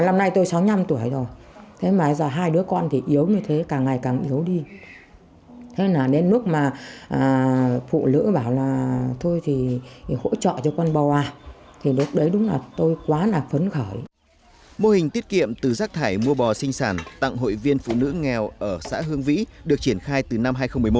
mô hình tiết kiệm từ rác thải mua bò sinh sản tặng hội viên phụ nữ nghèo ở xã hương vĩ được triển khai từ năm hai nghìn một mươi một